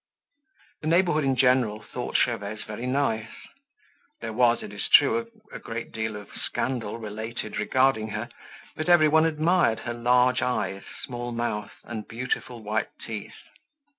The neighborhood in general thought Gervaise very nice. There was, it is true, a good deal of scandal related regarding her; but everyone admired her large eyes, small mouth and beautiful white teeth.